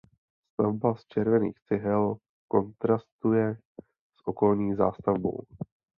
Stavba z červených cihel kontrastuje s okolní zástavbou.